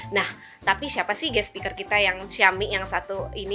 nah tapi siapa sih gate speaker kita yang xiami yang satu ini